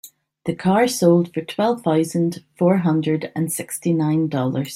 The car sold for twelve thousand four hundred and sixty nine Dollars.